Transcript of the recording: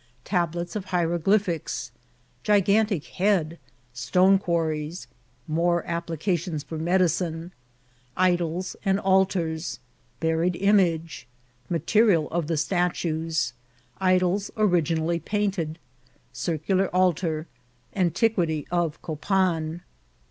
— Tablets of Hieroglyphics.— Oigantk Head.— Stooe Qaarries.— More AppU cnts for MedidDe. ^' IdohT and Altan.— Bvtod Iiiiage. llatMial of the Statues. Idols originally painted.^ Circii]ar Altar.— Antiquity of Coptn.